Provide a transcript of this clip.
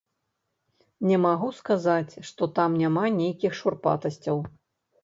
Не магу сказаць, што там няма нейкіх шурпатасцяў.